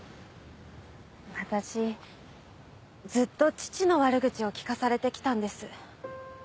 私ずっと父の悪口を聞かされてきたんです。